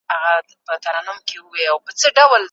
ماشوم هڅه کوله چې د انا پام خپلې خندا ته واړوي.